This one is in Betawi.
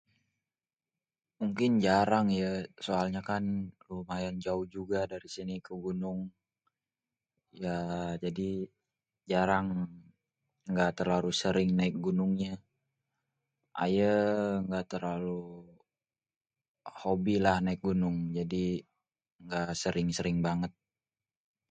Mungin jarang ya soalnya kan jauh juga dari sini ke gunung, yaaa jadi jarang gak terlalu sering naik gunungnya. Aye gak terlalu hobby lah naek gunung, jadi gak sering-sering banget.